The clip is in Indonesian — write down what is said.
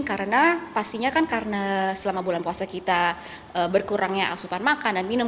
karena pastinya kan karena selama bulan puasa kita berkurangnya asupan makan dan minum